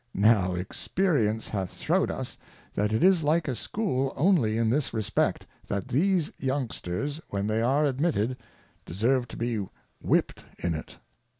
Now Experience hath shew'd us, that it is like a School only in this respect. That these Youngsters when they are admitted, deserve to be whipp'd in it.